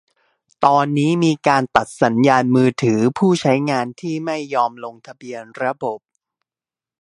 ตอนนี้มีการตัดสัญญาณมือถือผู้ใช้งานที่ไม่ยอมลงทะเบียนระบบ